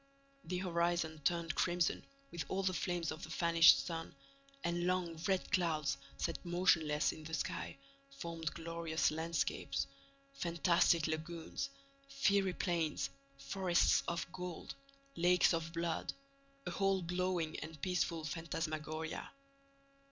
The horizon turned crimson with all the flames of the vanished sun; and long, red clouds, set motionless in the sky, formed glorious landscapes, fantastic lagoons, fiery plains, forests of gold, lakes of blood, a whole glowing and peaceful phantasmagoria.